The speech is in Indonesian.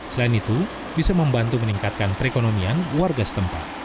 selain itu bisa membantu meningkatkan perekonomian warga setempat